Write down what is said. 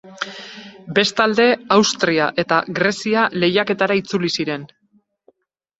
Bestalde, Austria eta Grezia lehiaketara itzuli ziren.